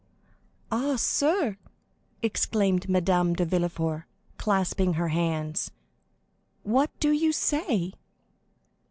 "Ah, sir," exclaimed Madame de Villefort, clasping her hands, "what do you say?"